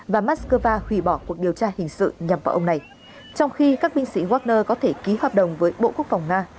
và moscow hủy bỏ cuộc điều tra hình sự nhằm vào ông này trong khi các binh sĩ wagner có thể ký hợp đồng với bộ quốc phòng nga